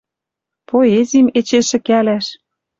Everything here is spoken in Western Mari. Поэзим эче шӹкӓлӓш